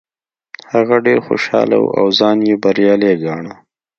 هغه ډیر خوشحاله و او ځان یې بریالی ګاڼه.